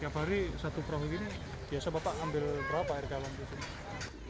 tiap hari satu perhubungan ini biasa bapak ambil berapa air galon